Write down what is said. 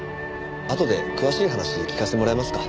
あとで詳しい話聞かせてもらえますか？